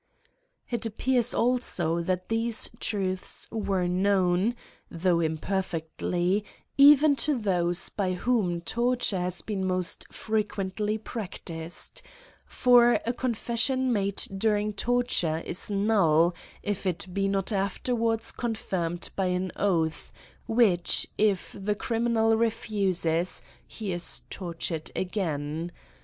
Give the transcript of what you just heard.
It appears also that these truths were known, 1 6^ AN ESSAY ON though imperfectly, even to those by whom tor ture has been most frequently practised ; for a confession made during torture, is null, if it be not afterwards confirmed by an oath, which if the criminal refuses, he is tortured again.